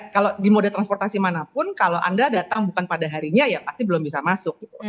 kalau di moda transportasi manapun kalau anda datang bukan pada harinya ya pasti belum bisa masuk gitu